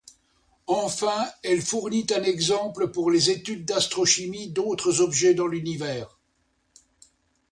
Enfin, elle fournit un exemple pour les études d'astrochimie d'autres objets dans l'Univers.